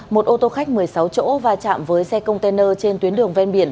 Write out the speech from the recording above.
một ô tô khách một mươi sáu chỗ va chạm với xe container trên tuyến đường ven biển